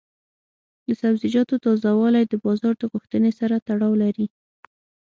د سبزیجاتو تازه والي د بازار د غوښتنې سره تړاو لري.